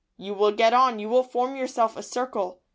You will get on you will form yourself a circle.